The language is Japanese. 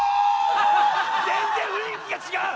全然雰囲気が違う！